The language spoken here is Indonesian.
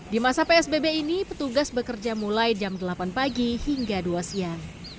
di masa psbb ini petugas bekerja mulai jam delapan pagi hingga dua siang